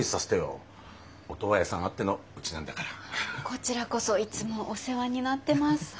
こちらこそいつもお世話になってます。